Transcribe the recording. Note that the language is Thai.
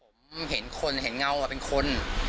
ผมเห็นคนเห็นเงาเป็นคน